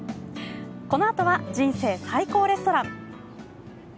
このあとは「人生最高レストラン」。